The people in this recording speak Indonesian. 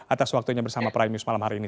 atas waktunya bersama prime news malam hari ini